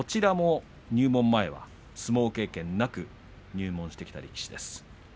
入門前、相撲経験がなく入門をしてきた力士です。